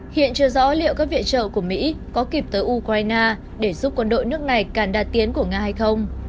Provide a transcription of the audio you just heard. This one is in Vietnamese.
hiện chưa rõ liệu các viện trợ của mỹ có kịp tới ukraine để giúp quân đội nước này càn đạt tiến của nga hay không